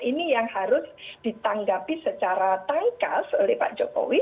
ini yang harus ditanggapi secara tangkas oleh pak jokowi